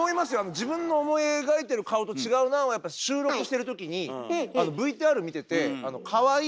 「自分の思い描いてる顔と違うなあ」はやっぱ収録してる時にあのＶＴＲ見ててかわいい